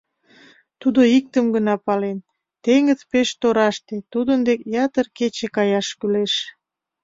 Тудо иктым гына пален: теҥыз пеш тораште, тудын дек ятыр кече каяш кӱлеш.